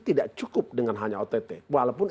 tidak cukup dengan hanya ott walaupun